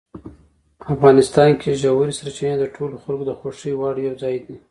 افغانستان کې ژورې سرچینې د ټولو خلکو د خوښې وړ یو ځای دی.